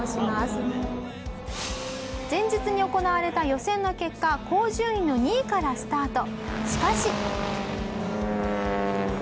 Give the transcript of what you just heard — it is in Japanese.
前日に行われた予選の結果高順位の２位からスタート。